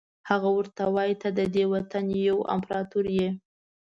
هغه ورته وایي ته ددې وطن یو امپراتور یې.